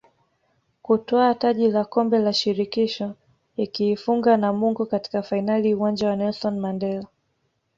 kutwaa taji la Kombe la Shirikisho ikiifunga Namungo katika fainali Uwanja wa Nelson Mandela